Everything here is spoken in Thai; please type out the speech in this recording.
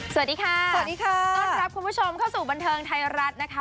สวัสดีค่ะสวัสดีค่ะต้อนรับคุณผู้ชมเข้าสู่บันเทิงไทยรัฐนะคะ